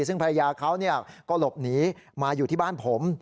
ซึ่งภรรยาเขาก็หลบหนีมาอยู่ที่บ้านผม